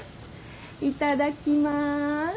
いただきます。